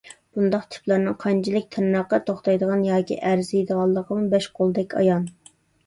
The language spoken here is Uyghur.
بۇنداق تىپلارنىڭ قانچىلىك تىرناققا توختايدىغان ياكى ئەرزىيدىغانلىقىمۇ بەش قولدەك ئايان.